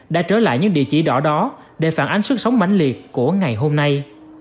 đã trở lại những địa chỉ đỏ đó để phản ánh sức sống mạnh liệt của ngày hôm nay